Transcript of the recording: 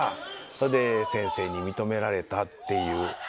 それで先生に認められたっていう。